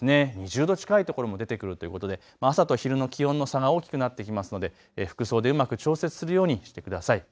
２０度近い所も出てくるということで朝と昼の気温の差が大きくなってきますので服装でうまく調節するようにしてください。